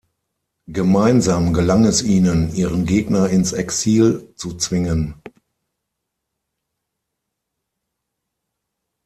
Gemeinsam gelang es ihnen, ihren Gegner ins Exil zu zwingen.